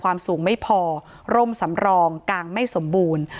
ความสูงไม่พอร่มสำรองกางไม่สมบูรณ์